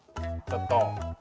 ちょっと！